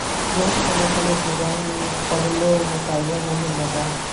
د اوسپنې فلز د زنګ خوړلو مطالعه مهمه ده.